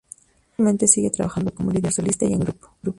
Actualmente sigue trabajando como líder solista y en grupo.